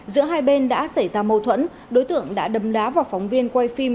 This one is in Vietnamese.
giữa hai bên đã xảy ra mâu thuẫn đối tượng đã đâm đá vào phóng viên quay phim